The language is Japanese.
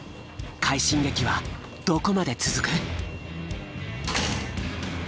快進撃はどこまで続く？